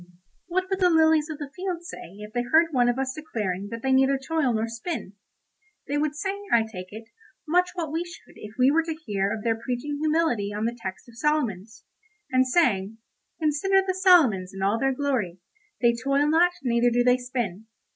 What would the lilies of the field say if they heard one of us declaring that they neither toil nor spin? They would say, I take it, much what we should if we were to hear of their preaching humility on the text of Solomons, and saying, "Consider the Solomons in all their glory, they toil not neither do they spin."